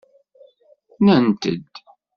Nnant-d.